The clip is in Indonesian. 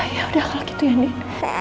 ya udah kalau gitu ya nih